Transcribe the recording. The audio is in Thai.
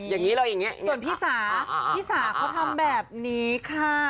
อย่างนี้เราอย่างนี้ส่วนพี่สาพี่สาเขาทำแบบนี้ค่ะ